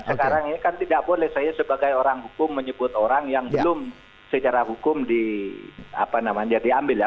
sekarang ini kan tidak boleh saya sebagai orang hukum menyebut orang yang belum secara hukum diambil ya